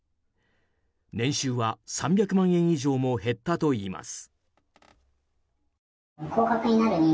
年収は３００万円以上も減ったといいます。